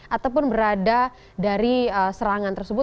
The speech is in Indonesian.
ataupun berada dari serangan tersebut